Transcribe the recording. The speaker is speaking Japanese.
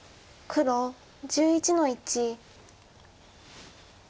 黒１１の一。